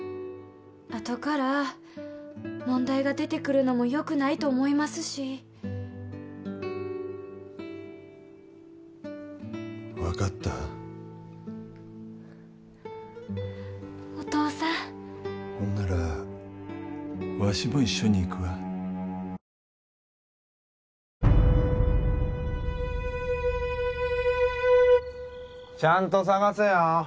あとから問題が出てくるのもよくないと思いますし分かったお父さんほんならわしも一緒に行くわちゃんと探せよ